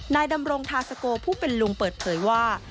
นายดำรงทาสโกผู้เป็นลุงเปิดเผยว่า